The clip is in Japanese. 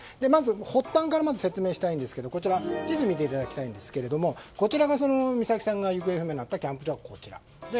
発端からまずは説明しますがこちら、地図を見ていただきたいんですけど美咲さんが行方不明になったキャンプ場がこちら。